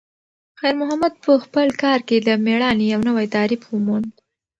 خیر محمد په خپل کار کې د میړانې یو نوی تعریف وموند.